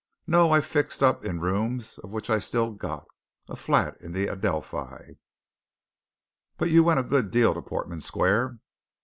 No I fixed up in the rooms which I've still got a flat in the Adelphi." "But you went a good deal to Portman Square?"